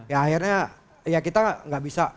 ya akhirnya ya kita enggak bisa menang